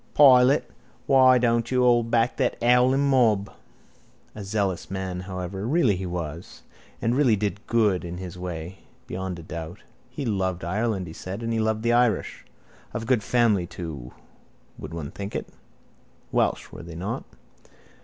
—Pilate! Wy don't you old back that owlin mob? A zealous man, however. Really he was. And really did great good in his way. Beyond a doubt. He loved Ireland, he said, and he loved the Irish. Of good family too would one think it? Welsh, were they not?